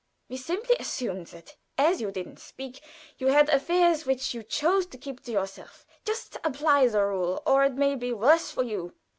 We simply assumed that as you didn't speak you had affairs which you chose to keep to yourself. Just apply the rule, or it may be worse for you."